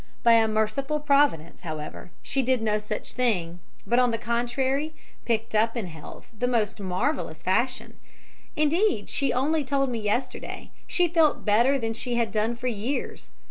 By a merciful providence, however, she did no such thing, but, on the contrary, picked up in health in the most marvellous fashion; indeed, she only told me yesterday, she felt better than she had done for years.